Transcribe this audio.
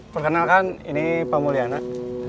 perkenalkan ini pak pulianak